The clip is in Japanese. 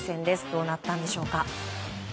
どうなったんでしょうか。